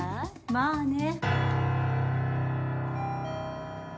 まあね。